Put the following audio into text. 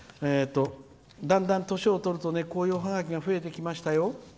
だんだん年をとるとこういうおハガキが増えてきましたよ。